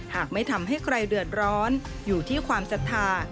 หากไม่ทำให้ใครเดือดร้อนอยู่ที่ความศรัทธา